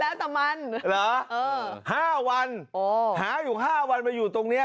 แล้วแต่มันเหรอเออ๕วันหาอยู่๕วันมาอยู่ตรงเนี้ย